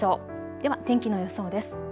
では天気の予想です。